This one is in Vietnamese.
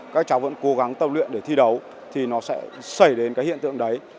các cháu vẫn cố gắng tập luyện để thi đấu thì nó sẽ xảy đến cái hiện tượng đấy